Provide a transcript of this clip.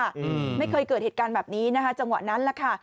อืมไม่เคยเกิดเหตุการณ์แบบนี้นะคะจังหวะนั้นแหละค่ะ